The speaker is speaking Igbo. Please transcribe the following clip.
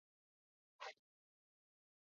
Igbo sị na ọ na-abụ aka na aka hàrá